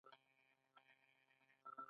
هر پانګوال د ځان ژغورنې لپاره دا لار نیسي